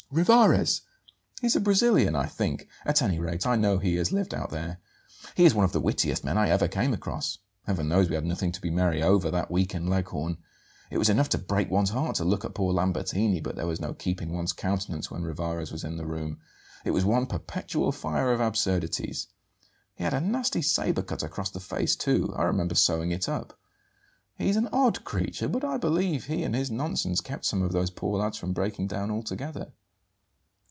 "Rivarez. He's a Brazilian, I think. At any rate, I know he has lived out there. He is one of the wittiest men I ever came across. Heaven knows we had nothing to be merry over, that week in Leghorn; it was enough to break one's heart to look at poor Lambertini; but there was no keeping one's countenance when Rivarez was in the room; it was one perpetual fire of absurdities. He had a nasty sabre cut across the face, too; I remember sewing it up. He's an odd creature; but I believe he and his nonsense kept some of those poor lads from breaking down altogether."